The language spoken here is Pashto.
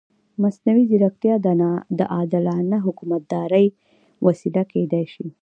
مصنوعي ځیرکتیا د عادلانه حکومتدارۍ وسیله کېدای شي.